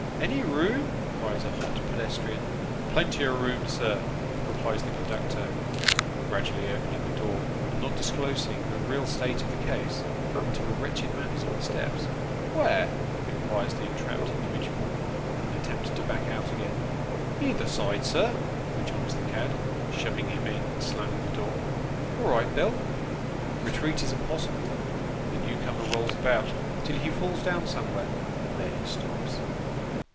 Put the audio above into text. "Any room ?" cries a very hot pedestrian. " Plenty o' room, sir," replies the conductor, gradually opening the door, and not disclosing the real state of the case, until the wretched man is on the steps. " Where ?" inquires the entrapped individual, with an attempt to back out again. " Either side, sir," rejoins the cad, shoving him in, and slamming the door. " All right, Bill." Eetreat is impossible ; the new comer rolls about, till he falls down somewhere, and there he stops.